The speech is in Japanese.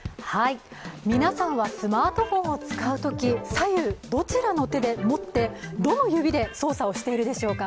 皆さんはスマートフォンを使うとき、左右どちらの手で持ってどの指で操作をしているでしょうか。